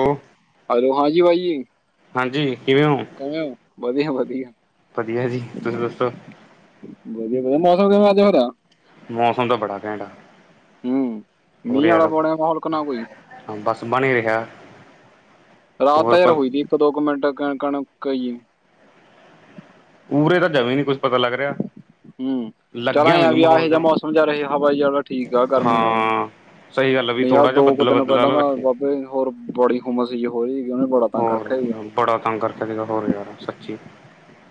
Hello hello ਹਾਂਜੀ ਭਾਂਜੀ ਹਾਂਜੀ ਕਿਵੇਂ ਹੋ? ਕਿਵੇਂ ਹੋ ਵਧੀਆ ਵਧੀਆ ਵਧੀਆ ਜੀ ਤੁਸੀਂ ਦੱਸੋ ਵਧੀਆ ਵਧੀਆ ਮੌਸਮ ਕਿਵੇਂ ਅੱਜ ਹੋ ਰਿਹਾ ਮੌਸਮ ਦਾ ਬੜਾ ਘੈਂਟਏ ਹਮ ਮੀਂਹ ਆਾ ਬੋਲਿਆਂ ਮੌਲ ਕਿ ਨਾ ਕੋਈ ਬਸ ਬਣ ਹੀ ਰਿਹਾ ਰਾਤ ਹੋਰ ਤਾਂ ਯਾਰ ਪਰ ਹੋਈ ਸੀ ਇੱਕ ਦੋ ਕੁ ਮਿੰਟ ਕਣ ਕਣ ਕਈ ਉਰੇ ਤਾਂ ਜਵੇ ਨੀ ਕੁੱਝ ਪਤਾ ਲੱਗ ਰਿਹਾ ਹਮ ਚਲ ਲੱਗਿਆ ਆ ਮੈਨੂੰ ਵੀ ਆ ਮਾਹੌਲ ਜਿਹਾ ਮੌਸਮ ਜਾ ਰਹੇ ਹਵਾ ਜਾ ਠੀਕ ਆ ਗਰਮੀ ਨਾਲੋਂ ਹਾਂ ਸਹੀ ਗੱਲ ਆ ਵੀ ਨਹੀਂ ਯਾਰ ਥੋੜਾ ਜਿਹਾ ਦੋ ਕੁ ਬੱਦਲਾ ਦਿਨ ਬੱਦਲਾ ਪਹਿਲਾਂ ਨਾ ਤਾਂ ਰੱਖੇ ਬਾਬੇ ਹੋਰ ਬੜੀ ਹੁਮਸ ਸੀ ਹੋ ਰਹੀ ਸੀਗੀ ਉਹਨੇ ਬੜਾ ਤੰਗ ਹੋਰ ਰੱਖਿਆ ਸੀਗਾ ਬੜਾ ਤੰਗ ਕਰਕੇ ਸੀਗਾ ਹੋਰ ਯਾਰ ਸੱਚੀ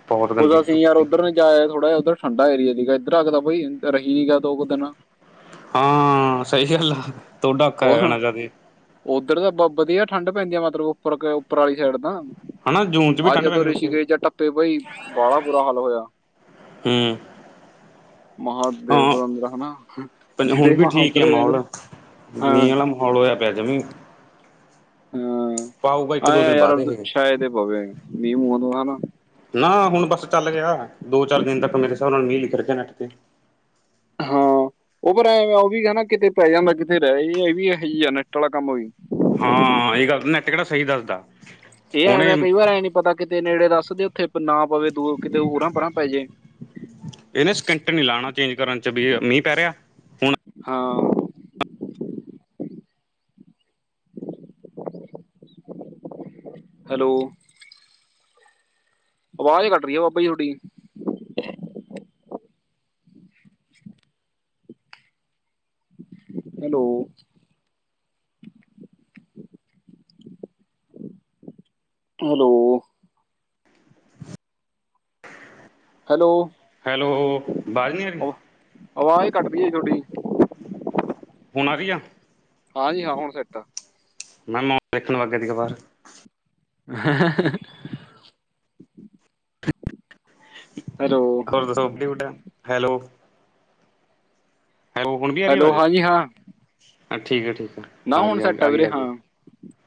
ਬਹੁਤ ਗੰਦੀ ਕੁਦਰਤੀ ਅਸੀਂ ਯਾਰ ਧੁੱਪ ਉੱਧਰ ਨੀ ਜਾਇਆ ਥੋੜਾ ਜਿਹਾ ਉੱਧਰ ਠੰਡਾ ਏਰੀਆ ਸੀਗਾ ਇੱਧਰ ਆਖਦਾ ਬ ਰਹੀ ਸੀਗਾ ਦੋ ਕੁ ਦਿਨ ਹਾਂ ਸਹੀ ਗੱਲ ਆ ਤੁਹਾਡਾ ਔਖਾ ਹੋ ਗਿਆ ਹੋਰ ਹੋਣਾ ਕਾਫੀ ਉੱਧਰ ਤਾਂ ਬ ਵਧੀਆ ਠੰਢ ਪੈਂਦੀ ਹੈ ਮਤਲਬ ਉੱਪਰ ਉੱਪਰ ਵਾਲੀ ਸਾਈਡ ਤਾਂ ਹਨਾ ਜੂਨ ਚ ਵੀ ਅੱਜ ਠੰਢ ਤੋਂ ਪੈਂਦੀ ਉੱਥੇ ਰਿਸ਼ੀਕੇਸ਼ ਚ ਟੱਪੇ ਬਈ ਬਾਹਾ ਬੁਰਾ ਹਾਲ ਹੋਇਆ ਹਮ ਮਹਾਂਦੇਵ ਬਦਰਰਾ ਹਨ ਨਾ ਹੁਣ ਜਿਹੜੇ ਵੀ ਮਹ ਠੀਕ ਆ ਉਤਤਰ ਜਾਂਦੇ ਮਾਹੌਲ [unintelligible] ਮੀਂਹ ਵਾਲਾ ਮਾਹੌਲ ਹੋਇਆ ਪਿਆ ਜਵੇ ਇੱਕ ਹਾਂ ਆ ਦੋ ਦਿਨ ਬਾਅਦ ਯਾਰ ਇਹ ਛਾਇ ਤੇ ਪਵੇ ਨੀਮ ਤੋਂ ਹਨਾ ਨਾ ਹੁਣ ਬਸ ਚੱਲ ਗਿਆ ਦੋ ਚਾਰ ਦਿਨ ਤੱਕ ਮੇਰੇ ਹਿਸਾਬ ਨਾਲ ਮੀਂਹ ਹੀ ਕਰਕੇ ਨੈਂਟ ਤੇਂ ਹਾਂ ਉਹ ਪਰ ਉਹ ਵੀ ਏਨਾ ਕਿਤੇ ਪੈ ਜਾਂਦਾ ਕਿਤੇ ਰੈਈ ਇਹ ਵੀ ਇਹ ਆ ਨੈਟ ਆਲਾ ਕੰਮ ਵੀ ਹਾਂ, ਇਹ ਗੱਲ ਨੈਟ ਕਿਹੜਾ ਸਈ ਦੱਸਦਾ। ਇਹ ਉਹਨੇ ਐਵੇਂ ਕਈ ਵਾਰ ਐਂ ਨੀ ਪਤਾ ਕਿਤੇ ਨੇੜੇ ਦੱਸਦੇ ਉੱਥੇ ਨਾ ਪਵੇ ਦੂਰ ਕਿਤੇ ਓਰਾਂ-ਪਰਾਂ ਪੈ ਜੇ ਇਹਨੇ ਸਕਿੰਟ ਨੀ ਲਾਉਣਾ ਚੇਂਜ ਕਰਨ ਚ ਵੀ ਅ ਮੀਂਹ ਪੈ ਰਿਆ। ਹਾਂ। ਹੈਲੋ। ਆਵਾਜ ਕਟ ਰਈ ਐ ਬਾਬਾ ਜੀ ਤੁਹਾਡੀ ਹੈਲੋ। ਹੈਲੋ। ਹੈਲੋ। ਹੈਲੋ, ਬਾਜ ਨੀ ਆ ਰੀ। ਆਵਾਜ਼ ਕਟਦੀ ਏ ਤੁਹਾਡੀ। ਹੋਣਾ ਆ ਰਹੀ ਹੈ ਹਾਂਜੀ ਹਾਂ ਹੋ ਸਕਤਾ ਹੈ ਮੈ ਉਹ ਪਿੱਠ ਲਿਖਣ ਵੱਗ ਦੀ ਕਬਾਰ [unintelligible] ਹੈਲੋ ਹੋਰ ਕਿਊਟ ਹੈਲੋ ਹੈ ਹੁਣ ਵੀ ਆ ਰੀ ਹੈਲੋ ਆਵਾਜ਼, ਹਾਂ ਜੀ ਹਾਂ ਅ ਠੀਕ ਐ, ਠੀਕ ਐ ਨਾ ਹੁਣ ਆਰੀ-ਆਰੀ, ਸੈੱਟ ਆ ਵੀਰੇ ਆਗੀ-ਆਗੀ ਹਾਂ ਏ।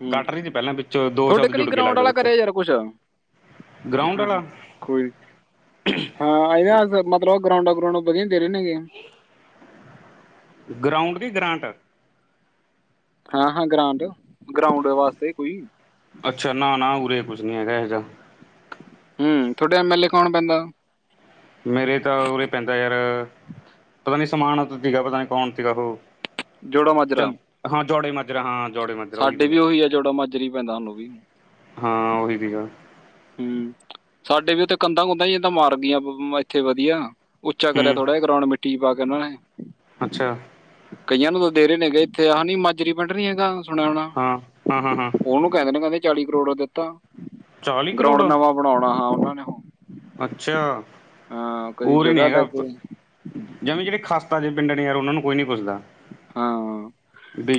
ਹੂੰ ਕੱਟ ਰਈ ਸੀ ਪਹਿਲਾਂ ਵਿੱਚੋਂ ਦੋ ਤੁਹਾਡੇ ਸ਼ਬਦ ਕਨੀ ਜੁੜ ਕੇ ਗਰਾਊਂਡ ਲੱਗਦੇ ਵਾਲਾ ਵਿੱਚੋਂ ਕਰਿਆ ਯਾਰ ਕੁਛ ਗਰਾਊਂਡ ਆਲਾ ਕੋਈ ਨੀ ਹਾਂ, ਇਹਦਾ ਮਤਲਬ ਗਰਾਉਂਡ-ਗਰਉਂਡ ਵਧੀਆ ਦੇਰੇ ਨਈ। ਗਰਾਊਂਡ ਦੀ ਗਰਾਂਟ ਹਾਂ-ਹਾਂ ਗਰਾਂਡ, ਗਰਾਉਂਡ ਵਾਸਤੇ ਕੋਈ ਅੱਛਾ, ਨਾ-ਨਾ ਉਰੇ ਕੁਛ ਨਈ ਹੈਗਾ ਇਹ ਜਾ। ਹੂੰ, ਤੁਹਾਡੇ ਐਮ ਐਲ ਏ ਕੌਣ ਪੈਂਦਾ। ਮੇਰੇ ਤਾਂ ਉਰੇ ਪੈਂਦਾ ਯਾਰ ਪਤਾ ਨੀ ਸਮਾਨ ਸੀਗਾ ਪਤਾ ਨੀ ਕੌਣ ਸੀਗਾ ਉਹ ਜੋੜੋ ਮਝਰਾ। ਚੰ ਹਾਂ, ਜੋੜੇ ਮਾਜਰਾ ਹਾਂ ਜੋੜੇ ਮਾਜਰਾ ਸਾਡੇ ਵੀ ਪੈਂਦਾ ਉਹੀ ਆ ਜੋੜਾ ਮਾਜਰੀ ਪੈਂਦਾ ਸਾਨੂੰ ਵੀ ਹਾਂ ਉਹੀ ਸੀਗਾ। ਹੂੰ, ਸਾਡੇ ਵੀ ਉਥੇ ਕੰਧਾਂ-ਕੁੰਧਾ ਹੀਦਾਂ ਮਾਰ ਦੀਆਂ ਮ ਇੱਥੇ ਵਧੀਆਂ। ਉੱਚਾ ਕਰਿਆ ਹੂੰ ਥੋੜਾ ਜ ਗਰਾਉਂਡ ਮਿੱਟੀ ਚ ਪਾ ਕੇ ਉਹਨਾਂ ਨੇ। ਅੱਛਾ। ਕਈਆਂ ਨੂੰ ਤਾਂ ਦੇ ਰੇ ਨੇਗੇ ਇੱਥੇ ਐਹ ਨੀ ਮਾਜਰੀ ਵੱਡ ਨੀ ਹੈਗਾ। ਸੁਣਉਣਾ ਹਾਂ ਹਾਂ ਹਾਂ ਹਾਂ ਉਹਨੂੰ ਕਹਿੰਦੇ ਨੇ ਚਾਲੀ ਕਰੋੜ ਦਿੱਤਾ। ਚਾਲੀ ਗਰਾਉਂਡ ਕਰੋੜ ਨਵਾਂ ਬਣਾਉਣਾ ਹਾਂ ਉਹਨਾਂ ਨੇ ਹੁਣ। ਅੱਛਾ ਕਦੀ ਓਰ ਈ ਨੀ ਜਗ੍ਹਾ ਲੈ ਹੈਗਾ ਅਪ ਕੇ ਜਵੇ ਜਿਹੜੇ ਖਾਸਤਾ ਦੇ ਪਿੰਡ ਨੇ ਯਾਰ ਉਹਨਾਂ ਨੂੰ ਕੋਈ ਨੀ ਭੁੱਲਦਾ। ਹਾਂ,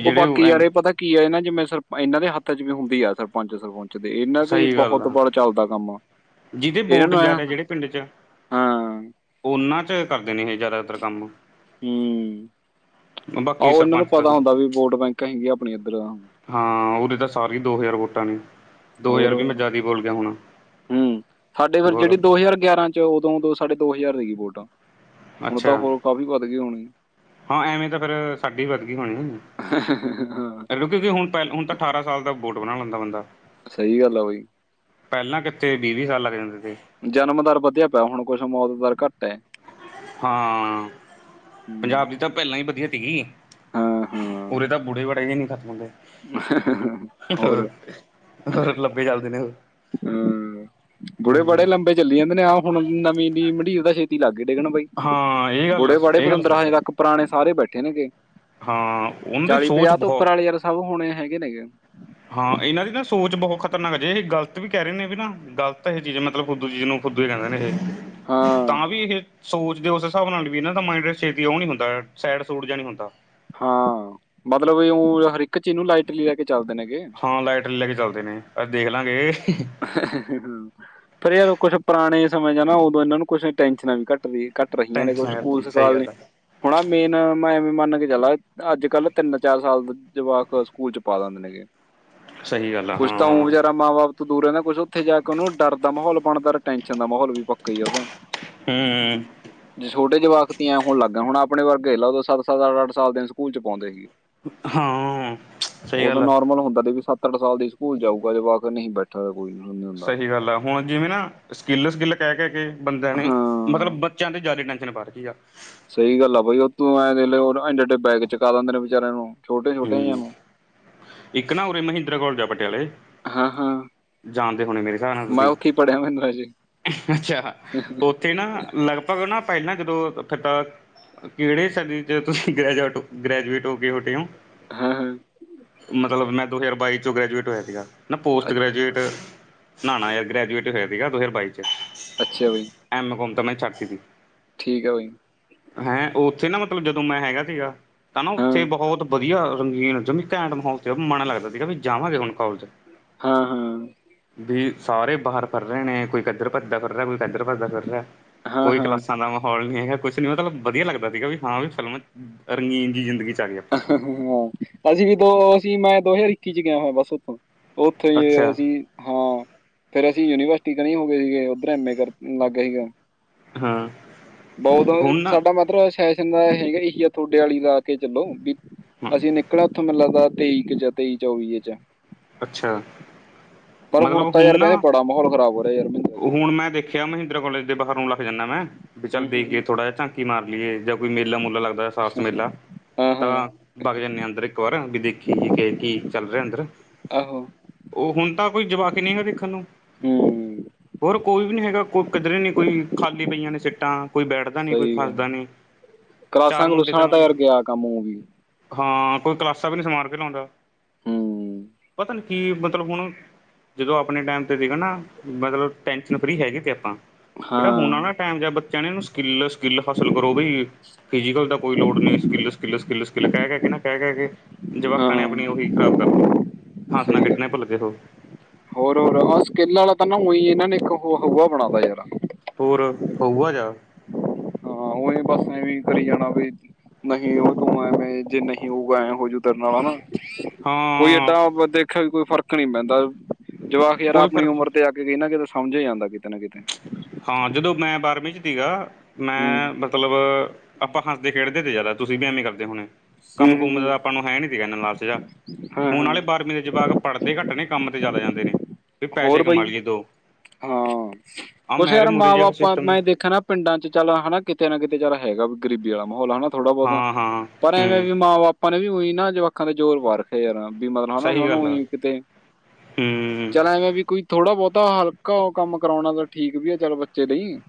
ਉਹ ਬਾਕੀ ਐਨ ਯਾਰ ਪਤਾ ਕੀ ਐ, ਇਹਨਾਂ ਜਿਵੇਂ ਸਰ ਇਹਨਾਂ ਦੇ ਹੱਥ ਚ ਵੀ ਹੁੰਦੀ ਐ ਸਰਪੰਚ-ਸਰਪੁੰਚ। ਇਹਨਾਂ ਦੇ ਸਹੀ ਗੱਲ ਬਹੁਤ ਆ ਵਾਰ ਚੱਲਦਾ ਕੰਮ। ਜਿਹਦੇ ਇਹਨਾਂ ਵੋਟ ਨੂੰ ਐ ਜ਼ਿਆਦਾ ਹੁੰਦਾ ਜਿਹੜੇ ਪਿੰਡ ਚ ਹਾਂ ਉਹਨਾਂ ਚ ਕਰਦੇ ਨੇ ਇਹ ਜ਼ਿਆਦਾਤਰ ਕੰਮ। ਹੂੰ, ਬਾਕੀ ਆਹੋ ਇਹਨਾਂ ਨੂੰ ਸਰਪੰਚ ਤਾਂ ਪਤਾ ਹੁੰਦਾ ਵੀ ਵੋਟ ਬੈਂਕ ਹੈਗੀਆਂ ਆਪਣੀ ਇੱਧਰ। ਹਾਂ, ਉਹਦੇ ਤਾਂ ਸਾਰੀ ਹੀ ਦੋ ਹਜ਼ਾਰ ਵੋਟਾਂ ਨੇ। ਦੋ ਹੋਰ, ਹਜ਼ਾਰ ਵੀ ਮੈਂ ਜ਼ਿਆਦਾ ਹੀ ਬੋਲ ਗਿਆ ਹੋਣਾ ਹੂੰ, ਸਾਡੇ ਫਿਰ ਹੋਰ ਜਿਹੜੀ ਦੋ ਹਜ਼ਾਰ ਗਿਆਰਾਂ ਉਦੋਂ ਦੋ-ਸਾਢੇ ਦੋ ਹਜ਼ਾਰ ਸੀਗੀ ਵੋਟਾਂ, ਹੁਣ ਤਾਂ ਅੱਛਾ ਹੋਰ ਕਾਫੀ ਵੱਧ ਗਏ ਹੋਣੀ। ਹਾਂ ਐਵੇਂ ਤਾਂ ਫਿਰ ਸਾਡੀ ਵੱਧ ਗਈ ਹੋਣੀ ਹਾਂ, ਕਿਉਂਕਿ ਹੁਣ ਪਹਿਲ ਹੁਣ ਤਾਂ ਠਾਰਾ ਸਾਲ ਦਾ ਬੋਟ ਬਣਾ ਲੈਂਦਾਂ ਬੰਦਾ। ਸਈ ਗੱਲ ਆ ਬਾਈ। ਪਹਿਲਾਂ ਕਿੱਤੇ ਵੀਹ-ਵੀਹ ਸਾਲ ਲੱਗ ਜਾਂਦੇ ਸੀ। ਜਨਮ ਦਰ ਵਧੀਆ ਪਿਆ ਹੁਣ ਕੁੱਛ ਮੌਤ ਦਰ ਘੱਟ- ਹਾਂ ਹੂੰ ਪੰਜਾਬ ਦੀ ਤਾਂ ਪਹਿਲਾਂ ਹੀ ਵਧੀਆ ਸੀਗੀ। ਹਾਂ ਉਦੇ ਹਾਂ ਤਾਂ ਬੁੜੇ-ਬੜੇ ਹੀ ਨਹੀ ਖਤਮ ਹੁੰਦੇ। ਹੋਰ ਲੱਭੇ ਚੱਲਦੇ ਨੇ ਹੂ ਬੁੜੇ-ਬੜੇ ਹਮ ਲੰਬੇ ਚੱਲ ਜਾਂਦੇ ਨੇ ਹੁਣ ਨਵੀਂ ਨੀ ਮਡੀਰ ਦਾ ਛੇਤੀ ਲਾਗੇ ਡਿੱਗਣ ਬਾਈ। ਹਾਂ। ਇਹ ਗੱਲ ਬੁੜੇ ਬੜੇ ਇਹ ਗੱਲ ਪਤੰਦਰ ਸਹੀ ਹਜੇ ਆ ਤੱਕ ਪੁਰਾਣੇ ਸਾਰੇ ਬੈਠੇ ਨੇਗੇ ਹਾਂ ਉਹਨਾਂ ਦੀ ਚਾਲੀ ਸੋਚ ਪੰਜਾਹ ਤੋਂ ਉੱਪਰ ਬਹੁਤ ਵਾਲੇ ਯਾਰ ਸਭ ਹੋੁਣੇ ਹੈਗੇ ਨੇਗੇ ਹਾਂ ਇਹਨਾਂ ਦੀ ਨਾ ਸੋਚ ਬਹੁਤ ਖਤਰਨਾਕ ਜੇ ਇਹ ਗਲਤ ਵੀ ਕਹਿ ਰਹੇ ਨੇ ਵੀ ਨਾ ਗ਼ਲਤ ਇਹ ਚੀਜ਼ ਮਤਲਬ ਖੁਦੂ ਚੀਜ਼ ਨੂੰ ਖੁਦੂ ਕਹਿੰਦੇ ਨੇ ਇਹ ਹਾਂ ਤਾਂ ਵੀ ਇਹ ਸੋਚ ਦੇ ਉਸ ਹਿਸਾਬ ਨਾਲ ਵੀ ਇਹਨਾਂ ਦਾ ਮਾਈਂਡ ਛੇਤੀ ਉਹ ਨੀ ਹੁੰਦਾ, ਸੈਡ-ਸੂਡ ਜਾ ਨੀ ਹੁੰਦਾ। ਹਾਂ, ਮਤਲਬ ਉਹ ਹਰ ਇੱਕ ਚੀਜ਼ ਨੂੰ ਲਾਈਟਲੀ ਲੈ ਕੇ ਚੱਲਦੇ ਨੇਗੇ। ਹਾਂ ਲਾਈਟ ਲੈ ਕੇ ਚੱਲਦੇ ਨੇ, ਅੱਜ ਦੇਖ ਲਾਂਗੇ। ਫਿਰ ਯਾਰ ਕੁਛ ਪੁਰਾਣੇ ਸਮੇਂ ਜਾ ਨਾ, ਉਦੋਂ ਇਹਨਾਂ ਨੂੰ ਕੁਛ ਟੈਨਸ਼ਨਾਂ ਵੀ ਘੱਟ ਵੀ ਘੱਟ ਰਹੀਆਂ, ਨੇ ਕੁਛ ਟੈਨਸ਼ਨ ਕਰਤੀ ਸਹੀ ਸਕੂਲ-ਸਕਾਲ ਗੱਲ ਆ। ਹੁਣਾ ਮੇਨ ਮੈਂ ਐਵੇਂ ਮੰਨ ਕੇ ਚਲਾ, ਅੱਜਕੱਲ ਤਿੰਨ ਚਾਰ-ਸਾਲ ਦਾ ਜਵਾਕ ਸਕੂਲ ਚ ਪਾ ਦਿੰਦੇ। ਸਹੀ ਗੱਲ ਆ ਕੁੱਛ ਤਾਂ ਊ ਹਾਂ ਵਿਚਾਰਾ ਮਾਂ-ਬਾਪ ਦੂਰ ਦਾ ਕੁਛ ਉੱਥੇ ਜਾ ਕੇ ਉਹਨੂੰ ਡਰ ਦਾ ਮਾਹੌਲ ਬਣਦਾ, ਟੈਨਸ਼ਨ ਦਾ ਮਾਹੌਲ ਵੀ ਪੱਕਾ ਉਹਦਾ ਹੂੰ, ਜੇ ਛੋਟੇ ਜਵਾਕ ਤੀਆਂ ਹੁਣ ਲੱਗਾ, ਹੁਣ ਆਪਣੇ ਵਰਗੇ ਦੇਖ ਲੇ ਸੱਤ-ਸੱਤ, ਅੱਠ-ਅੱਠ ਸਾਲ ਦਿਨ ਸਕੂਲ ਚ ਪਾਦੇ ਸੀ। ਹਾਂ ਸਹੀ ਉਹ ਤਾਂ ਗੱਲ ਆ। ਨੋਰਮਲ ਹੁੰਦਾ ਸੀ, ਵੀ ਸੱਤ-ਅੱਠ ਸਾਲ ਦੀ ਸਕੂਲ ਜਾਊਗਾ ਜਵਾਕ ਨਹੀਂ ਬਸ ਤਾ ਕੋਈ ਨੀ ਸਹੀ ਗੱਲ ਆ ਹੁਣ ਜਿਵੇਂ, ਨਾ ਸਕਿੱਲ-ਸਕਿੱਲ ਕਹਿ-ਕਹਿ ਕੇ ਬੰਦਿਆਂ ਨੇ ਹਾਂ ਮਤਲਬ ਬੱਚਿਆਂ ਤੇ ਜ਼ਿਆਦਾ ਟੈਂਸ਼ਨ ਪਾ ਰੱਖੀ ਆ ਸਹੀ ਗੱਲ ਆ ਬਾਈ, ਉਥੋਂ ਐ ਦੇਖਲੇ ਐਡੇ ਬੈਗ ਚੁਕਾ ਦਿੰਦੇ, ਨੇ ਵਿਚਾਰਿਆਂ ਨੂੰ ਛੋਟੇ-ਛੋਟੇ ਜਿਆਂ ਹੂੰ ਨੂੰ ਇੱਕ ਨਾ ਉਰੇ ਮਹਿੰਦਰਾ ਕੋਲਜ ਪਟਿਆਲੇ ਹਾਂ-ਹਾਂ। ਜਾਣਦੇ, ਹੋਣੇ ਮੇਰੇ ਹਿਸਾਬ ਨਾਲ ਤੁਸੀਂ ਮਹਿੰਦਰਾ ਜੀ ਅੱਛਾ, ਉੱਥੇ ਨਾ ਲਗਭਗ ਨਾ ਪਹਿਲਾਂ ਜਦੋਂ ਤਾ ਕਿਹੜੇ ਸਾਡੇ 'ਚ ਤੁਸੀਂ ਗ੍ਰੈਜੂਟ ਗ੍ਰੈਜੂਏਟ ਹੋ ਕੇ ਹੋਟੇ ਹੋ। ਹਾਂ-ਹਾਂ। ਮਤਲਬ ਮੈਂ ਦੋ ਹਜ਼ਾਰ ਬਾਈ ਚੋਂ ਗ੍ਰੈਜੂਏਟ ਹੋਇਆ, ਸੀਗਾ ਨਾ ਪੋਸਟ ਗ੍ਰੈਜੂਏਟ। ਨਾ-ਨਾ ਯਾਰ ਗ੍ਰੈਜੂਏਟ ਹੋਇਆ ਸੀਗਾ, ਦੋ ਹਜ਼ਾਰ ਬਾਈ ਚ ਅੱਛਾ, ਬਾਈ। ਐਮ ਕੋਮ ਤਾਂ ਮੈਂ ਛੱਡਦੀ ਸੀ। ਠੀਕ ਹੈ ਬਾਈ। ਹੈਂ ਉੱਥੇ ਨਾ ਮਤਲਬ ਜਦੋਂ ਮੈਂ ਹੈਗਾ ਸੀਗਾ, ਤਾਂ ਨਾ ਹਾਂ ਉੱਥੇ ਬਹੁਤ ਵਧੀਆ ਰੰਗੀਨ ਜੋ ਘੈਂਟ ਮਾਹੌਲ ਤੇ ਉਹ ਮਨ ਲੱਗਦਾ ਸੀਗਾ, ਵੀ ਜਾਵਾਂਗੇ ਹੁਣ ਕੋਲਜ। ਹਾਂ-ਹਾਂ। ਵੀ ਸਾਰੇ ਬਾਹਰ ਫਿਰ ਰਹੇ ਨੇ ਕੋਈ ਕੱਦਰ ਭੱਤਦਾ ਫਿਰ ਰਿਹਾ, ਕੋਈ ਕਿਦਰ ਭੱਜਦਾ ਫਿਰ ਰਿਹਾ। ਹਾਂ ਕੋਈ ਹਾਂ ਕਲਾਸਾਂ ਦਾ ਮਾਹੌਲ ਇਹ ਕੁਛ ਨਹੀਂ ਮਤਲਬ ਵਧੀਆ ਲੱਗਦਾ ਸੀਗਾ, ਵੀ ਹਾਂ ਵੀ ਫਿਲਮ ਰੰਗੀਨ ਜੀ ਜ਼ਿੰਦਗੀ 'ਚ ਆ ਗਈ। ਹਾਂ ਅਸੀਂ ਵੀ ਦੋ ਅਸੀਂ ਮੈਂ ਦੋ ਹਜ਼ਾਰ ਇੱਕੀ ਚ ਗਿਆ ਹੋਇਆ, ਬਸ ਉਥੋਂ ਉਹ ਉੱਥੇ ਜੇ ਅੱਛਾ ਅਸੀਂ ਹਾਂ ਫੇਰ ਅਸੀਂ ਯੂਨੀਵਰਸਿਟੀ ਕਿ ਨਹੀਂ ਹੋ ਗਏ ਸੀਗੇ, ਉੱਧਰ ਐਮ ਏ ਕਰਨ ਲੱਗ ਗਿਆ ਸੀਗਾ। ਹਾਂ। ਬਹੁਤ ਹੁਣ ਨਾ ਸਾਡਾ ਮਤਲਬ ਸੈਸ਼ਨ ਦਾ ਹੈਗਾ, ਇਹੀ ਆ ਤੁਹਾਡੇ ਆਲੀ ਲਾ ਕੇ ਚਲੋ ਵੀ ਹਾਂ ਅਸੀਂ ਨਿਕਲ ਉੱਥੋਂ ਮੈਨੂੰ ਲੱਗਦਾ, ਤੇਈਕ ਚ ਤੇਈ ਚੌਵੀ ਚ ਅੱਛਾ ਪਰ ਹੁਣ ਮਤਲਬ ਤਾਂ ਯਾਰ ਨਾ ਕਹਂਦੇ ਬੜਾ ਮੋਲ ਖ਼ਰਾਬ ਹੋ ਰੇਆ, ਯਾਰ ਮੈਂ ਹੁਣ ਮੈਂ ਵੇਖਿਆ, ਮਹਿੰਦਰਾ ਕੋਲੇਜ ਦੇ ਬਾਹਰ ਨੂੰ ਲੱਗ ਜਾਂਦਾ, ਮੈਂ ਵੀ ਚੱਲ ਹੂੰ ਹੂੰ ਦੇਖ ਕੇ ਹੂੰ ਥੋੜ੍ਹਾ ਜਿਹਾ [unintelligible] ੀ ਮਾਰ ਲਿਏ ਜਾਂ ਕੋਈ ਮੇਲਾ-ਮੂਲਾ ਲੱਗਦਾ ਸਵਾਸਥ ਮੇਲਾ। ਹਾਂ ਹਾਂ ਤਾਂ ਬਾਗ ਜਾਂਨੇ ਅੰਦਰ ਇੱਕ ਵਾਰ ਵੀ ਦੇਖੀ ਐ ਕਿ-ਕੀ ਚੱਲ ਰਿਆ ਅੰਦਰ। ਆਹੋ। ਓ ਹੁਨ ਤਾਂ ਕੋਈ ਜਵਾਕ ਨਹੀਂ ਹੈ ਦੇਖਨ ਨੂੰ ਹੂੰ ਹੋਰ ਕੋਈ ਵੀ ਨੀ ਹੈਗਾ, [unintelligible] ਕੋਈ ਕਿੱਧਰੇ ਨਈ ਕੋਈ ਖਾਲੀ ਪਈਆਂ ਨੇ ਸਿੱਟਾਂ ਕੋਈ ਬੈਠਦਾ ਨੀ ਕੋਈ ਸਹੀ ਗੱਲ ਖੱਸਦਾ ਨੀ ਕਲਾਸਾਂ ਚਾਰ ਮੁੰਡੇ ਤਾਂ ਕਲੂਸਾਂ ਮੈਨੇ ਯਾਰ ਗਿਆ ਕੰਮ ਉਹ ਵੀ ਹਾਂ ਕੋਈ ਕਲਾਸਾ ਵੀ ਨਹੀਂ ਸਮਾਨ ਕੇ ਲਾਦਾ ਹੂੰ ਪਤਾ ਨੀ ਕੀ ਮਤਲਬ ਹੁਨ, ਜਦੋਂ ਅਪਨੇ ਟੈਮ 'ਤੇ ਸੀਗਾ ਨਾ ਮਤਲਬ ਟੈਨਸ਼ਨ ਫਰੀ ਹੈਗੇ ਸੀ, ਆਪਾਂ ਜਿੜਾ ਹੁਨ ਅ ਹਾਂ ਨਾ ਟਾਈਮ ਜਾਂ ਬੱਚਿਆਂ ਨੇ ਇਹਨੂੰ ਸਕਿੱਲ-ਸਕਿੱਲ ਹਾਸਲ ਕਰੋ, ਬ ਫਿਜੀਕਲ ਦਾ ਕੋਈ ਲੋੜ ਨਹੀਂ ਸਕਿੱਲ-ਸਕਿੱਲ-ਸਕਿੱਲ -ਸਕਿੱਲ, ਕਹਿ ਕੇਹਿ ਕੇ ਨਾ ਕਹਿ ਕਹਿ ਜਵਾਕਾਂ ਨੇ ਹਾਂ ਆਪਣੀ ਉਹੀ ਖ਼ਰਾਬ ਕਰ ਲਈ ਹਾਂਸਣਾ- ਖੇਡਣੇ ਭੁੱਲ ਗਏ ਉਹ। ਹੋ ਸਕਿੱਲ ਵਾਲਾ ਤਾਂ ਨਾ ਉਹੀ ਇਹਨਾਂ ਨੇ ਇੱਕ ਹੂਆ ਬਣਾਉਦਾ ਯਾਰ ਹੋਰ ਹੋਊਆ ਜਾ। ਹਾਂ ਉਹੀ ਬੱਸ ਏਵੀ ਕਰੀ ਜਾਣਾ ਵੀ ਨਹੀਂ, ਉਹ ਤੂੰ ਐਵੇਂ ਜੇ ਨਹੀਂ ਹੋਊਗਾ ਐ ਹੋ ਜੂ ਤੇਰੇ ਨਾਲ ਹੈਨਾ। ਹਾਂ। ਕੋਈ ਏਡਾ ਦੇਖਿਆ ਵੀ ਕੋਈ ਫਰਕ ਨੀ ਪੈਂਦਾ ਜਵਾਕ ਯਾਰ ਕੋਈ ਆਪਣੀ ਫ਼ਰਕ ਉਮਰ ਤੇ ਆ ਵੇ ਇੰਨਾ ਕੁ ਸਮਝ ਈ ਜਾਂਦਾ ਕਿਤੇ ਨਾ ਕਿਤੇ। ਹਾਂ, ਜਦੋਂ ਮੈਂ ਬਾਰਵੀਂ 'ਚ ਸੀਗਾ ਹੂੰ ਮੈਂ ਮਤਲਬ ਅਪਾਂ ਹੱਸਦੇ-ਖੇਡਦੇ ਤੇ ਜ਼ਾਦਾ ਤੁਸੀਂ ਵੀ ਐਵੇਂ ਕਰਦੇ ਹੋਨੇ ਹੂੰ ਹੂੰ ਕੰਮ-ਕੁਮ ਦਾ ਹੂੰ ਅਪਾਂ ਨੂੰ ਹੈ ਨੀ ਸੀ ਐਨਾ ਲਾਲਚ ਜਾ ਹਾਂ ਹੁਨ ਹਾਂ ਆਲੇ ਬਾਰਵੀਂ ਦੇ ਜਵਾਕ ਪੜ੍ਹਦੇ ਘੱਟ ਨੇ ਕੰਮ ਤੇ ਜ਼ਾਦਾ ਜਾਂਦੇ ਨੇ। ਵੀ ਪੈਸੇ ਹੋਰ ਬਾਈ ਕਮਾ ਲਈਏ ਦੋ ਹਾਂ, ਆਹ ਕੁਛ ਮੈਰੇ ਯਾਰ ਮੂਰੇ ਜਿਹੜਾ ਮਾਂ-ਬਾਪ ਸਿਸਟਮ ਆ ਮੈਂ ਦੇਖਾ ਨਾ ਪਿੰਡਾਂ ਚ ਚੱਲ ਹੈਨਾ ਕਿਤੇ ਨਾ ਕਿਤੇ ਚੱਲ ਹੈਗਾ ਗਰੀਬੀ ਅਲਾ ਮਾਹੌਲ ਹੈਨਾ। ਥੋੜਾ-ਬੋਤਾ ਹਾਂ ਹਾਂ ਪਰ ਐਵੇਂ ਹੂੰ ਵੀ ਮਾਂ-ਬਾਪਾਂ ਨੇ ਵੀ ਉਈ ਨਾ ਜਵਾੱਕਾ ਤੇ ਜ਼ੋਰ ਪਾ ਰਖਿਆ। ਬੀਮਾ ਨਾਲ ਵੀ ਮਤਲਬ ਹੈਨਾ ਸਹੀ ਉਹਨਾਂ ਨੂੰ ਗੱਲ ਆ ਵੀ ਕਿਤੇ ਹੂੰ। ਚੱਲ ਐਵੇਂ ਵੀ ਕੋਈ ਥੋੜਾ-ਬੋਤਾ ਹਲਕਾ ਉ ਕੰਮ ਕਰਾਉਨਾ ਤਾਂ ਠੀਕ ਵੀ ਆ ਚੱਲ ਬੱਚੇ ਲਈ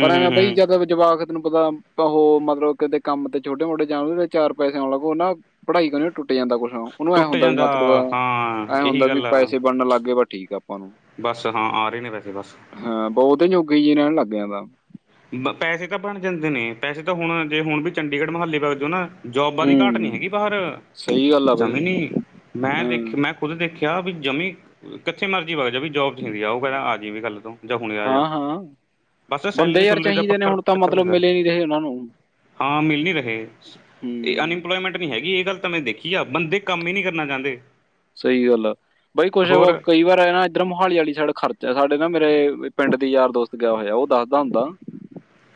ਪਰ ਹੂੰ ਐਵੇਂ ਬਈ ਹੂੰ ਜਦ ਜਵਾਕ ਤੈਨੂੰ ਪਤਾ ਉਹ ਮਤਲਬ ਕਿਤੇ ਕੰਮ ਤੇ ਛੋਟੇ-ਮੋਟੇ ਜਾਨ ਚਾਰ ਪੈਸੇ ਆਉਣ ਲੱਗੋ ਨਾ। ਪੜ੍ਹਾਈ ਕਰਨ ਟੁੱਟ ਜਾਂਦਾ ਕੁਛ ਉਹਨੂੰ ਐਂ ਟੁੱਟ ਹੁੰਦਾ ਵੀ ਜਾਂਦਾ ਮਤਲਬ ਹਾਂ ਐਂ ਇਹੀ ਹੁੰਦਾ ਵੀ ਗੱਲ ਆ ਪੈਸੇ ਬਣਨ ਲੱਗ ਵ ਠੀਕ ਆਪਾਂ ਨੂੰ ਬਸ ਹਾਂ ਆ ਰਹੇ ਨੇ ਪੈਸੇ ਬਸ ਹਾਂ ਬਹੁਤੇ ਜੋਗੇ ਜੀ ਰਹਿਨ ਲੱਗ ਆਦਾ ਪੈਸੇ ਤਾਂ ਬਨ ਜਾਂਦੇ ਨੇ, ਪੈਸੇ ਤਾਂ ਹੁਨ ਜੇ ਹੁਨ ਵੀ ਚੰਡੀਗੜ੍ਹ ਮੁਹਾਲੀ ਵਗ ਜੋ ਨਾ ਜੋਬਾਂ ਦੀ ਘਾਟ ਨੀ ਹੂੰ ਹੈਗੀ ਬਾਹਰ ਸਹੀ ਗੱਲ ਆ ਬਈ ਜਮੀ ਨੀ ਮੈਂ ਹਾਂ ਦੇਖ ਮੈਂ ਉਹਦੇ ਦੇਖਿਆ ਵੀ ਜਮੀਂ ਕਿੱਥੇ ਮਰਜ਼ੀ ਵਗ ਜਾ ਵੀ ਜੋਬ ਚਾਹੀਦੀ ਆ ਉਹ ਕਹਿੰਦਾ ਆ ਜਾਈ ਵੀ ਕੱਲ੍ਹ ਤੋਂ। ਜਾਂ ਹੁਣੇ ਆ ਜਾ ਹਾਂ-ਹਾਂ, ਬਸ ਬੰਦੇ ਸੈਲਰੀ ਯਾਰ ਸੁਲਰੀ ਦਾ ਚਾਹੀਦੇ ਨੇ ਪੱਕਰ ਹੁਣ ਤਾਂ ਚੱਕਰ ਮਤਲਬ ਪੈਂਦਾ ਮਿਲੇ ਨੀ ਰਹੇ ਉਹਨਾਂ ਨੂੰ। ਹਾਂ, ਮਿਲ ਨੀ ਰਹੇ। ਇਹ ਹੂੰ ਅਨਇੰਪਲੋਇਮੈਂਟ ਨਹੀਂ ਹੈਗੀ, ਇਹ ਗੱਲ ਤਾਂ ਮੈਂ ਦੇਖੀ ਆ ਬੰਦੇ ਕੰਮ ਈ ਨਹੀਂ ਕਰਨਾ ਚਾਂਦੇ। ਸਈ ਗੱਲ ਆ ਬਾਈ ਕੁਜ ਕਈ ਵਾਰ ਐਨਾ ਇਧਰ ਮੋਹਾਲੀ ਅਲੀ ਸਾਈਡ ਖਰਚਾ ਸਾਡੇ ਨਾ ਮੇਰੇ ਪਿੰਡ ਦੇ ਯਾਰ ਦੋਸਤ ਗਿਆ ਹੋਇਆ ਉਹ ਦੱਸਦਾ ਹੁੰਦਾ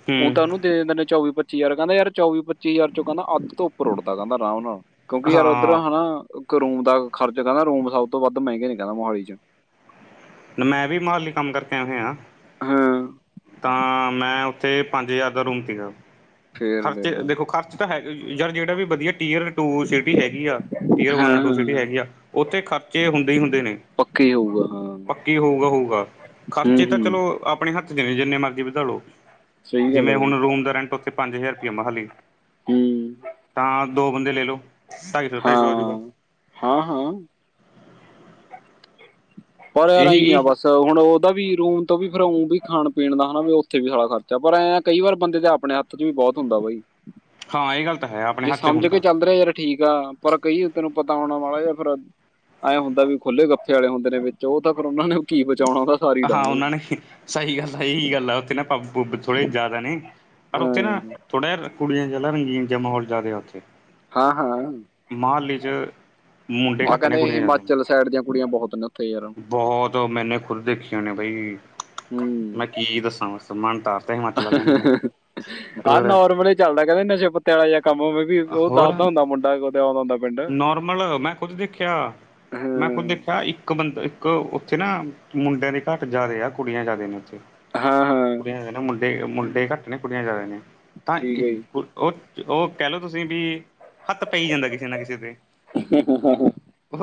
ਹੂੰ ਉਹਤਾਂ ਉਨੂੰ ਦਿਨਿੰਨ ਚੌਵੀ-ਪੱਚੀਜ਼ਾਰ ਕਹਿੰਦਾ ਯਾਰ ਚੌਵੀ- ਪਚੀਜ਼ਾਰ ਕਹਿੰਦਾ ਅੱਧ ਤੋਂ ਉੱਪਰ ਉੱਠਦਾ ਕਹਿੰਦਾ ਰਾਮ ਨਾਲ। ਕਿਉਂਕਿ ਯਾਰ ਉੱਧਰ ਹਾਂ ਹੈਨਾ ਇੱਕ ਰੂਮ ਦਾ ਖਰਚ ਕਹਿੰਦਾ ਰੂਮ ਸਭ ਤੋਂ ਵੱਧ ਮਹਿੰਗੇ ਨੀ ਕਹਿੰਦਾ ਮੋਹਾਲੀ ਚ। ਮੈਂ ਵੀ ਮੁਹਾਲੀ ਕੰਮ ਕਰਕੇ ਆਹਿਆ। ਹੂੰ। ਤਾਂ ਮੈ ਅਤੇ ਪੰਜ ਹਜ਼ਾਰ ਦਾ ਰੂਮ ਸੀਗਾ, ਫੇਰ ਖਰਚੇ ਦੇਖਦਾ ਦੇਖੋ ਖਰਚ ਤਾਂ ਹੈ ਯਾਰ ਜਿਹੜਾ ਵੀ ਵਧੀਆ ਟੀਅਰ ਟੂ ਸਿਟੀ ਹੈਗੀ ਆ ਅਰ ਹਾਂ ਵਨ ਟੂ ਸਿਟੀ ਹਾਂ ਹੈਗੀ ਆ ਉੱਥੇ ਖਰਚੇ ਹੁੰਦੇ ਹੀ ਹੁੰਦੇ ਨੇ। ਇਹ ਹੋਊਗਾ ਹਾਂ। ਕੀ ਹੋਊਗਾ- ਹੋਊਗਾ ਹੂੰ ਖਰਚੇ ਤਾਂ ਹੂੰ ਚਲੋ ਆਪਣੇ ਹੱਥ ਚ ਨੇ ਜਿੰਨੇ ਮਰਜ਼ੀ ਵਧਾਲੋ। ਸਹੀ ਗੱਲ ਆ ਜਿਵੇਂ ਬਾਈ ਹੁਣ ਰੂਮ ਦਾ ਰੈਂਟ ਉੱਥੇ ਪੰਜ ਹਜ਼ਾਰ ਰੁਪਇਆ ਮੋਹਾਲੀ ਹੂੰ ਤਾਂ ਦੋ ਬੰਦੇ ਲੈ ਲਓ ਢਾਈ ਸੌ ਢਾਈ ਸੌ ਹੋਜੂਗਾ। ਹਾਂ-ਹਾਂ। ਪਰ ਰਾਹੀ ਆ ਇਹੀ ਬਸ ਹੁਣ ਉਹਦਾ ਵੀ ਰੂਮ ਤੋਂ ਵੀ ਫਿਰ ਔ ਵੀ ਖਾਣ-ਪੀਣ ਦਾ ਹੈਨਾ, ਵੀ ਉੱਥੇ ਵੀ ਸਾਡਾ ਖਰਚਾ ਪਰ ਐਂ ਕਈ ਵਾਰ ਬੰਦੇ ਦੇ ਆਪਣੇ ਹੱਥ ਖਰਚ ਵੀ ਬਹੁਤ ਹੁੰਦਾ ਬਾਈ। ਹਾਂ, ਇਹ ਗੱਲ ਤਾਂ ਹੈ। ਆਪਣੇ ਜੇ ਹੱਥ 'ਚ ਸਮਝ ਕੇ ਹੁੰਦਾ ਚੱਲ ਰਿਹਾ, ਯਾਰ ਠੀਕ ਆ ਪਰ ਕਹੀਏ ਤੈਨੂੰ ਪਤਾ ਹੋਣਾ ਵਾਲਾ ਜਾ ਫਿਰ ਐਂ ਹੁੰਦਾ ਵੀ ਖੁੱਲੇ ਗੱਫੇ ਅਲੇ ਹੁੰਦੇ ਨੇ ਵਿੱਚ ਉਹ ਤਾਂ ਓਨਾ ਨੇ ਕੀ ਬਚਾਉਣਾ ਹੁੰਦਾ। ਹਾਂ ਉਹਨਾਂ ਨੇ ਸਹੀ ਗੱਲ ਸਹੀ ਗੱਲ ਆ ਉੱਥੇ ਨਾ ਪੈਗ-ਪੁਗ ਥੋੜੇ ਜ਼ਿਆਦਾ ਨੇ। ਪਰ ਹਾਂ ਉੱਥੇ ਨਾ ਥੋੜ੍ਹਾ ਜਿਹਾ ਕੁੜੀਆਂ ਜਾ ਰੰਗੀਨ ਜਿਹਾ ਮਾਹੌਲ ਜ਼ਿਆਦਾ ਨੇ ਉੱਥੇ ਹਾਂ-ਹਾਂ ਮੋਹਾਲੀ 'ਚ ਮੁੰਡੇ ਆ ਘੱਟ ਨੇ ਕਹਿੰਦੇ ਕੁੜੀਆਂ ਹਿਮਾਚਲ ਸਾਈਡ ਦੀਆਂ ਕੁੜੀਆਂ ਬਹੁਤ ਗਲਤ ਐ ਯਾਰ ਬੋਹਤ ਮੈਨੇ ਖੁਦ ਦੇਖੀਆਂ ਨੇ ਬਾਈ ਮੈਂ ਹੂੰ ਕੀ ਦੱਸਾਂ ਮਨ ਤਾਰਤਾ ਹਿਮਾਚਲ ਵਾਲਿਆਂ ਨ ਆ ਹੋਰ ਨਾਰਮਲੀ ਚੱਲਦਾ ਕਹਿੰਦੇ ਨਸ਼ੇ ਪੱਤਿਆ ਵਾਲਾ ਜਾਂ ਕੰਮਵੇ ਵੀ ਉਹ ਹੋਰ ਦੱਸਦਾ ਹੁੰਦਾ ਮੁੰਡਾ ਕਦੇ ਆਦਾ ਹੁੰਦਾ ਪਿੰਡ ਨੋਰਮਲ ਮੈਂ ਖੁਦ ਦੇਖਿਆ। ਮੈਂ ਖੁਦ ਹਾਂ ਦੇਖਿਆ ਇੱਕ ਬੰਦਾ ਇੱਕ ਉੱਥੇ ਨਾ ਮੁੰਡਿਆਂ ਦੇ ਘੱਟ ਜ਼ਿਆਦਾ ਆ ਕੁੜੀਆਂ ਜ਼ਿਆਦੇ ਨੇ ਉੱਥੇ ਹਾਂ- ਹਾਂ ਕੁੜੀਆਂ ਜ਼ਦੇ ਨੇ ਮੁੰਡੇ-ਮੁੰਡੇ ਘੱਟ ਨੇ ਕੁੜੀਆਂ ਜ਼ਿਆਦਾ ਨੇ ਤਾਂ ਠੀਕ ਹੈ ਜੀ ਇੱਕ ਉਹ ਉਹ ਕਹਿ ਲਓ ਤੁਸੀਂ ਵੀ ਹੱਥ ਪੈ ਜਾਂਦਾ ਕਿਸੇ ਨਾ ਕਿਸੇ ਤੇ [inaudible]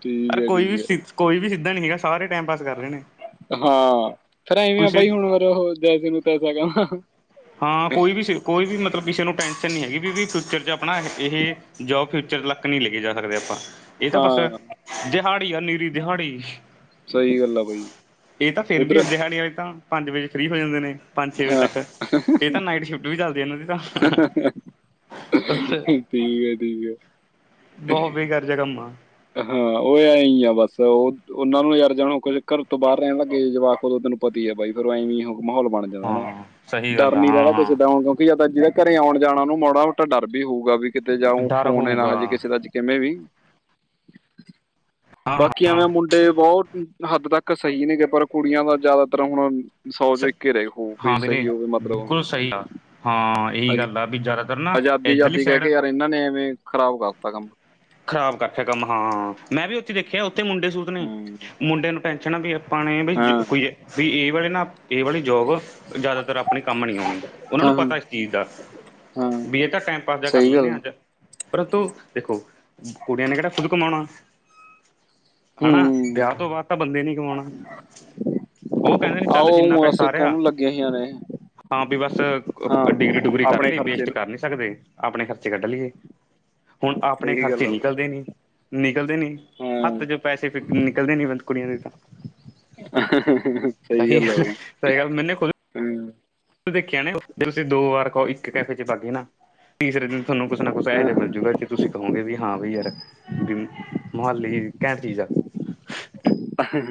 ਠੀਕ ਅਰੇ ਉਹ ਹੈ ਕੋਈ ਠੀਕ ਵੀ ਹੈ ਸ ਕੋਈ ਵੀ ਸਿੱਧਾ ਨੀ ਹੈਗਾ ਸਾਰੇ ਟਾਈਮ ਪਾਸ ਕਰ ਰਹੇ ਨੇ। ਹਾਂ ਫਿਰ ਐਵੇਂ ਆ ਕਿਸੇ ਬਾਈ ਹੁਣ ਉਹ ਜੈਸੇ ਨੂੰ ਤੈਸਾ ਕ [inaudible] ਹਾਂ ਕੋਈ ਵੀ ਕੋਈ ਵੀ ਮਤਲਬ ਕਿਸੇ ਨੂੰ ਟੈਂਸ਼ਨ ਨਹੀਂ ਹੈਗੀ ਵੀ -ਵੀ ਫਿਊਚਰ 'ਚ ਆਪਣਾ ਇਹ ਜੋਬ ਫਿਊਚਰ ਲ ਤੱਕ ਨਹੀਂ ਲੈ ਕੇ ਜਾ ਸਕਦੇ ਆਪਾਂ ਇਹ ਤਾਂ ਬਸ ਹਾਂ ਦਿਹਾੜੀ ਆ ਨੀਰੀ ਦਿਹਾੜੀ ਸਹੀ ਗੱਲ ਆ ਬਾਈ ਇਹ ਤਾਂ ਫੇਰ ਵੀ ਉਧਰ ਅੱਜੇ ਦਿਹਾੜੀ ਹੋਈ ਤਾਂ ਪੰਜ ਵਜੇ ਫ੍ਰਰੀ ਹੋ ਜਾਂਦੇ ਨੇ ਪੰਜ ਛੇ ਹਾਂ ਵਜੇ ਠੀਕ ਤੱਕ ਇਹ ਤਾਂ ਨਾਈਟ ਸ਼ਿਫਟ ਵੀ ਚੱਲਦੀ ਹੈ ਇਹਨਾਂ ਦੀ ਤਾਂ [inaudible] [inaudible] ਠੀਕ ਏ-ਠੀਕ ਏ। ਬਹੁਤ ਬੇਕਾਰ ਜਿਹਾ ਕੰਮ ਆ। ਹਾਂ ਉਹ ਐ ਹੀ ਆ ਬਸ ਉਹ ਉਹਨਾਂ ਨੂੰ ਯਾਰ ਜਾਣ ਹੋ ਘਰ ਤੋਂ ਬਾਹਰ ਰਹਿ ਲੱਗੇ ਜਵਾਕ ਦੋ ਤੈਨੂੰ ਪਤੀ ਹੈ ਬਾਈ ਫਿਰ ਐਵੇਂ ਮਾਹੌਲ ਬਣ ਹਾਂ [unintelligible] ਸਹੀ ਡਰ ਗੱਲ ਆ ਨੀ ਰਹਿੰਦਾ ਕਿਸੇ ਹਾਂ ਦਾ ਉਦੋਂ ਜਿਹਦਾ ਘਰੇ ਆਣ-ਜਾਣ ਉਹਨੂੰ ਮਾੜਾ ਮੋਟਾ ਡਰ ਵੀ ਹੋਊਗਾ ਵੀ ਕਿਤੇ ਜਾਊ ਡਰ ਫੋਨ ਇਹ ਨਾ ਹੋਊਗਾ ਹਜੇ ਕਿਸੇ ਦਾ ਕਿਵੇਂ ਵੀ ਹਾਂ ਬਕ ਹਾਂ। ਕਿਵੇਂ ਮੁੰਡੇ ਬਹੁਤ ਹੱਦ ਤੱਕ ਸਹੀ ਨੇਗੇ ਪਰ ਕੁੜੀਆਂ ਦਾ ਜ਼ਿਆਦਾਤਰ ਹੁਣ ਸੌ 'ਚ ਇੱਕ ਰਹੇ ਹੋ ਕੋਈ ਹਾਂ ਵੀਰੇ ਸਹੀ ਹੋਵੇ ਬਿਲਕੁਲ ਮਤਲਬ--' ਸਹੀ ਆ। ਹਾਂ ਇਹੀ ਅੱਜ ਗੱਲ ਆ ਵੀ ਜ਼ਿਆਦਾਤਰ ਨਾ ਆਜ਼ਾਦੀ ਇੱਧਰਲੀ ਆਜ਼ਾਦੀ ਕਹਿ ਸਾਈਡ ਕੇ ਯਾਰ ਇਹਨਾਂ ਨੇ ਐਵੇਂ ਖ਼ਰਾਬ ਕਰਤਾ ਕੰਮ ਖ਼ਰਾਬ ਕਰਕਿਆ ਕੰਮ ਹਾਂ ਮੈਂ ਵੀ ਉੱਥੇ ਦੇਖਿਆ ਉੱਥੇ ਮੁੰਡੇ ਸੂਤ ਨੇ ਹੂੰ ਮੁੰਡੇ ਨੂੰ ਪੈਨਸ਼ਨ ਵੀ ਆਪਾਂ ਨੇ ਬ ਹਾਂ ਕੋਈ ਵੀ ਸੀ ਇਹ ਵਾਲੇ ਨਾ ਇਹ ਵਾਲੀ ਜੋਬ ਜ਼ਿਆਦਾਤਰ ਆਪਣੇ ਕੰਮ ਨਹੀਂ ਆਣੀ ਉਹਨਾਂ ਹਾਂ ਨੂੰ ਪਤਾ ਇਸ ਚੀਜ਼ ਦਾ ਹਾਂ ਬੀਏ ਤਾਂ ਟਾਈਮ ਪਾਸ ਜਾ ਕਰ ਸਹੀ ਲੈਂਦੇ ਗੱਲ ਹਾਂ ਅੱਜ ਪਰੰਤੂ ਦੇਖੋ ਕੁੜੀਆਂ ਨੇ ਕਿਹੜਾ ਖੁਦ ਕਮਾਣਾ ਹਨਾ ਹੂੰ ਵਿਆਹ ਤੋਂ ਬਾਅਦ ਤਾਂ ਬੰਦੇ ਨੀ ਕਮਾਣਾ ਉਹ ਕਹਿੰਦੇ ਨੇ ਚੱਲ ਜਿੰਨਾ ਆਹੋ ਅਸੀਂ ਪੈਸਾ ਰਿਹਾ। ਉਹਨੂੰ ਲੱਗੀਆਂ ਹੋਈਆਂ ਨੇ ਹਾਂ ਬਈ ਬਸ ਹਾਂ ਡਿਗਰੀ ਡੁਗਰੀ ਕਰ ਆਪਣੇ ਲਈ ਖਰਚੇ ਬੀਸਟ ਨੂੰ ਕਰ ਲਈ ਸਕਦੇ ਆਪਣੇ ਖਰਚੇ ਕੱਢ ਲਈਏ ਹੁਨ ਆਪਣੇ ਸਹੀ ਗੱਲ ਖਰਚੇ ਆ ਬਾਈ ਨਿਕਲਦੇ ਨੀ- ਨਿਕਲਦੇ ਨੀ ਹੱਥ ਹਾਂ 'ਚ ਪੈਸੇ ਫੇਰ ਨਿਕਲਦੇ ਨਈ ਕੁੜੀਆਂ ਦੇ ਤਾ [inaudible] ਸਈ ਗੱਲ ਐ ਬਈ ਗੱਲ ਮੈਨੇ ਖੁਦ ਹੂੰ। ਦੇਖਿਆ ਨੇ ਤੁਸੀ ਦੋ ਵਾਰ ਕੋ ਇੱਕ ਕੈਫੇ 'ਚ ਬਾਗੇ ਨਾ ਤੀਸਰੇ ਦਿਨ ਥੋਨੂੰ ਕੁਛ ਨਾ ਕੁਛ ਏਹੋ ਹਾਂ ਜੇਆ ਮਿਲਜੂਗਾ ਜੇ ਤੁਸੀ ਕਹੋਗੇ ਵੀ ਹਾਂ ਬਈ ਐ। [inaudible] ਮੋਹਾਲੀ ਕੈਹ ਚੀਜ਼ ਐ। [inaudible]